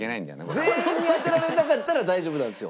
全員に当てられなかったら大丈夫なんですよ。